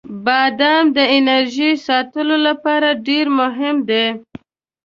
• بادام د انرژۍ ساتلو لپاره ډیر مهم دی.